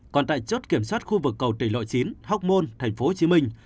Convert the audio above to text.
còn tại chốt kiểm soát khu vực cầu tỉnh lội chín hóc môn tp hcm